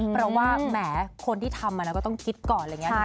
เพราะว่าแหมคนที่ทำก็ต้องคิดก่อน